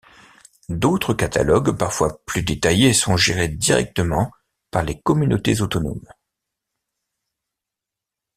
D'autres catalogues, parfois plus détaillés, sont gérés directement par les communautés autonomes.